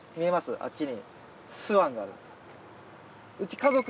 あっちに。